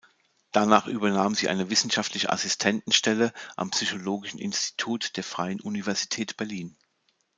Danach übernahm sie eine wissenschaftliche Assistentenstelle am Psychologischen Institut der Freien Universität Berlin.